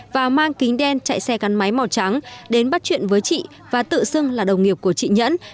và mang kính đen chạy xe gắn máy màu trắng đến bắt chuyện với chị và tự xưng là đồng nghiệp của chị nhẫn